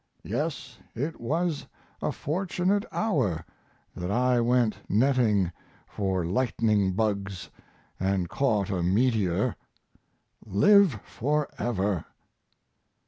Yes, it was a fortunate hour that I went netting for lightning bugs and caught a meteor. Live forever!